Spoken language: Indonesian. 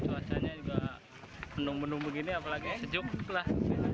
suasanya juga penuh penuh begini apalagi sejuk lah